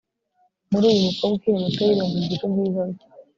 muri uyu mukobwa ukiri muto yirengagije ubwiza bwe